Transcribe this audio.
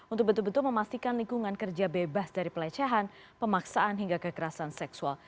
untuk betul betul memastikan lingkungan kerja bebas dari pelecehan pemaksaan hingga kekerasan seksual